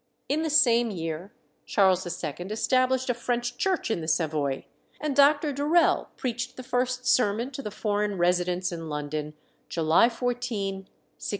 In the same year Charles II. established a French church in the Savoy, and Dr. Durel preached the first sermon to the foreign residents in London, July 14, 1661.